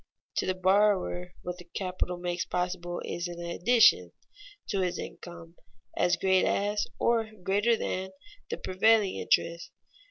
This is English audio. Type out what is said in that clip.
To the borrower, what the capital makes possible is an addition to his income as great as, or greater than, the prevailing interest.